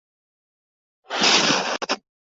曾获美国国家艺术基金。